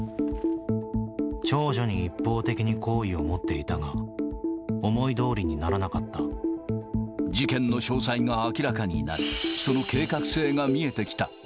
長女に一方的に好意を持っていたが、事件の詳細が明らかになり、その計画性が見えてきた。